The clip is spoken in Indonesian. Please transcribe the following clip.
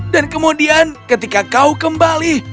dan kemudian ketika kau kembali